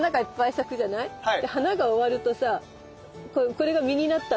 で花が終わるとさこれが実になったんだけどさ